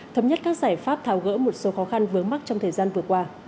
thống nhất các giải pháp tháo gỡ một số khó khăn vướng mắt trong thời gian vừa qua